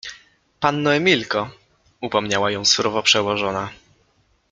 — Panno Emilko! — upomniała ją surowo przełożona.